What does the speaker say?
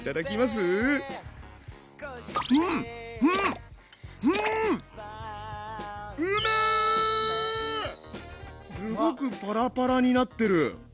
すごくパラパラになってる。